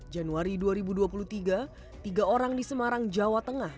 januari dua ribu dua puluh tiga tiga orang di semarang jawa tengah